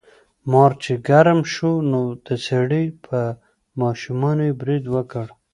مار چې ګرم شو نو د سړي په ماشومانو یې برید وکړ.